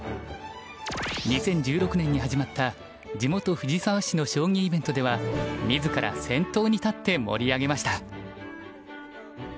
２０１６年に始まった地元藤沢市の将棋イベントでは自ら先頭に立って盛り上げました。